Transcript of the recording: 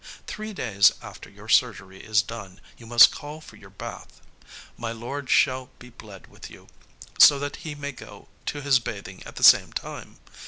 Three days after your surgery is done, you must call for your bath. My lord shall be bled with you, so that he may go to his bathing at the same time.